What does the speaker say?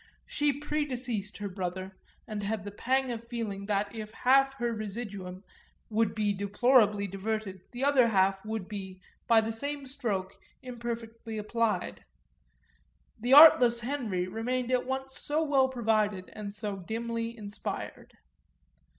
She predeceased her brother and had the pang of feeling that if half her residuum would be deplorably diverted the other half would be, by the same stroke, imperfectly applied; the artless Henry remained at once so well provided and so dimly inspired.